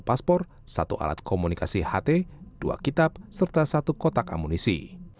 lima buah handphone satu paspor satu alat komunikasi ht dua kitab serta satu kotak amunisi